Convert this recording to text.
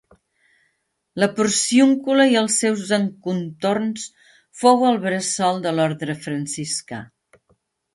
La Porciúncula i els seus encontorns fou el bressol de l'Orde Franciscà.